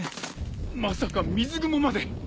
まさか水雲まで。